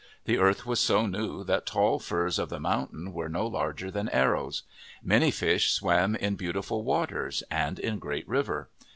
The earth was so new that tall firs of the mountain were no larger than arrows. Many fish swam in Beauti ful Waters and in Great River.